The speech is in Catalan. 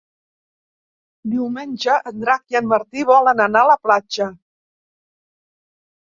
Diumenge en Drac i en Martí volen anar a la platja.